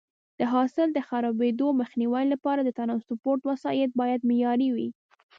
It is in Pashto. د حاصل د خرابېدو مخنیوي لپاره د ټرانسپورټ وسایط باید معیاري وي.